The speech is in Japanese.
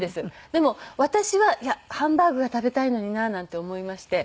でも私はいやハンバーグが食べたいのにななんて思いまして。